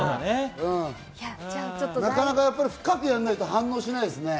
なかなか深くやんないと反応しないですね。